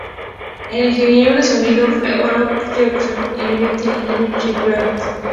El ingeniero de sonido fue Andrew Jackson y el ayudante de ingeniero, Chris Roberts.